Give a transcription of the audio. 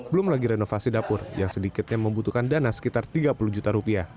belum lagi renovasi dapur yang sedikitnya membutuhkan dana sekitar rp tiga puluh juta rupiah